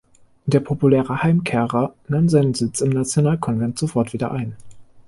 Der populäre Heimkehrer nahm seinen Sitz im Nationalkonvent sofort wieder ein.